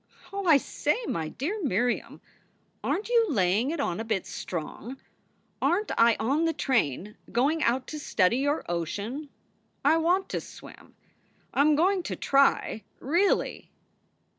Oh, I say, my dear Miriam, aren t you laying it on a big strong? Aren t I on the train, going out to study your ocean ? I want to swim. I m going to try. Really!"